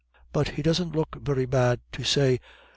But he doesn't look very bad to say.